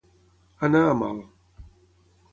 Anar a mal.